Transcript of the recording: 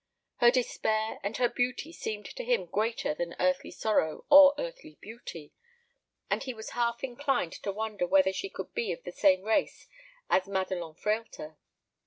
Her despair and her beauty seemed to him greater than earthly sorrow or earthly beauty; and he was half inclined to wonder whether she could be of the same race as Madelon Frehlter.